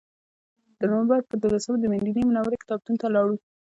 د نوامبر په دولسمه دمدینې منورې کتابتون ته لاړو.